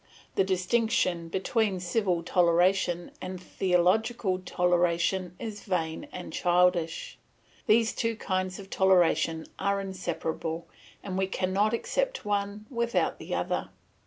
The distinction between civil toleration and theological toleration is vain and childish. These two kinds of toleration are inseparable, and we cannot accept one without the other.